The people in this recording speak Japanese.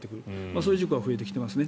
そういう事故が増えてきてますね。